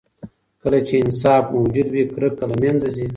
کله چې انصاف موجود وي، کرکه له منځه ځي.